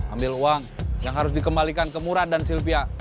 ambil uang yang harus dikembalikan ke murad dan sylvia